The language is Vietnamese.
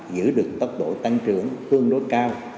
giữ được tốc độ tăng trưởng tương đối cao